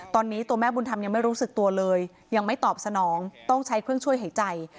ตอนนี้ตัวแม่บุญธรรมยังไม่รู้สึกตัวเลยยังไม่ตอบสนองต้องใช้เครื่องช่วยหายใจ